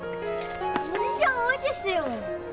おじちゃん相手してよ！